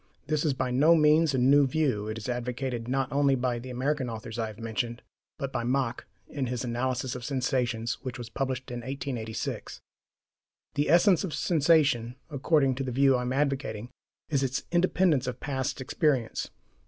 This is by no means a new view; it is advocated, not only by the American authors I have mentioned, but by Mach in his Analysis of Sensations, which was published in 1886. The essence of sensation, according to the view I am advocating, is its independence of past experience.